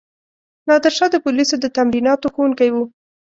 نادرشاه د پولیسو د تمریناتو ښوونکی وو.